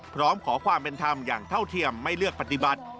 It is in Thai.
พร้อมขอความเป็นธรรมอย่างเท่าเทียมไม่เลือกปฏิบัติ